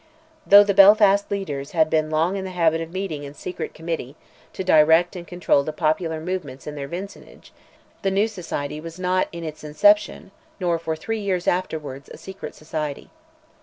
Though the Belfast leaders had been long in the habit of meeting in "secret committee," to direct and control the popular movements in their vicinage, the new society was not, in its inception, nor for three years afterwards, a secret society.